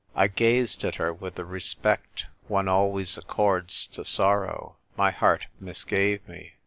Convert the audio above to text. I gazed at her with the respect one always accords to sorrow. My heart misgave me.